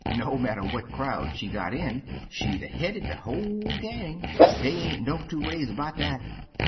No matter what crowd she got in, she 'd 'a' headed de whole gang — dey ain't no two ways 'bout dat.